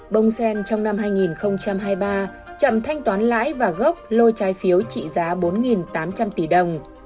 bông sen trong năm hai nghìn hai mươi ba chậm thanh toán lãi và gốc lôi trái phiếu trị giá bốn tám trăm linh tỷ đồng